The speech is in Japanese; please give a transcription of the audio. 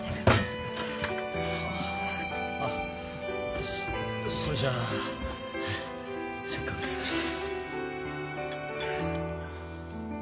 あっそれじゃあせっかくですから。